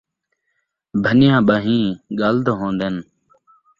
بھنیا ٻان٘ہیں ڳل دو ہون٘دین